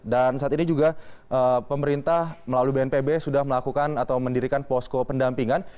dan saat ini juga pemerintah melalui bnpb sudah melakukan atau mendirikan posko pendampingan